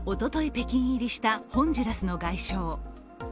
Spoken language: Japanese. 北京入りしたホンジュラスの外相。